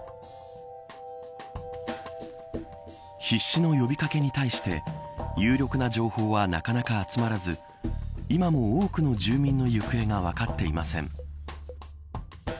必死の呼び掛けに対して有力な情報はなかなか集まらず今も多くの住民の行方が分かっていません。